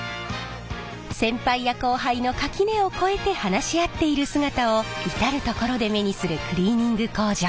先輩や後輩の垣根を越えて話し合っている姿を至る所で目にするクリーニング工場。